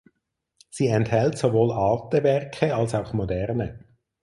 Sie enthält sowohl alte Werke als auch moderne.